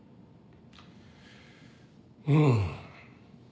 うん。